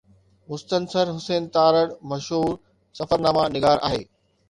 مستنصر حسين تارڙ مشهور سفرناما نگار آهي.